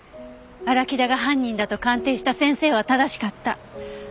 荒木田が犯人だと鑑定した先生は正しかった。